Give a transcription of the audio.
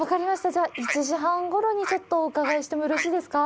じゃあ１時半ごろに、ちょっとお伺いしてもよろしいですか？